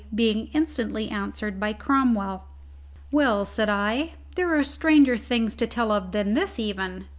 being instantly answered by Cromwell. "Well," said I, "there are stranger things to tell of than this, even.